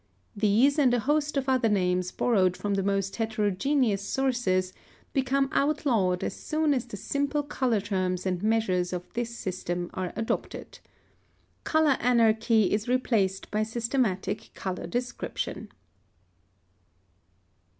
These and a host of other names borrowed from the most heterogeneous sources, become outlawed as soon as the simple color terms and measures of this system are adopted. Color anarchy is replaced by systematic color description.